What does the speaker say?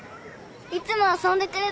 いつも遊んでくれた。